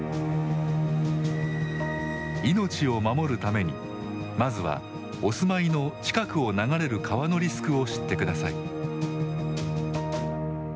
命を守るために、まずはお住まいの近くを流れる川のリスクを知ってください。